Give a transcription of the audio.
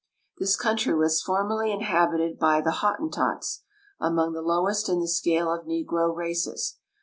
This country was formerly inhabited by the Hottentots, among the lowest in the .scale of negro races.